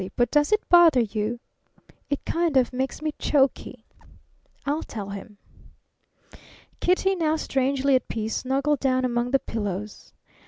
But does it bother you?" "It kind of makes me choky." "I'll tell him." Kitty, now strangely at peace, snuggled down among the pillows.